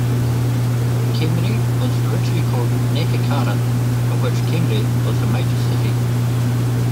Khemri was originally called Nehekhara, of which Khemri was a major city.